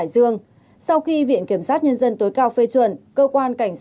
xe di động